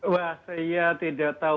wah saya tidak tahu